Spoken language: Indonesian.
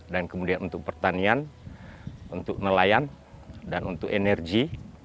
dan kemudian untuk pertanian untuk nelayan dan untuk energi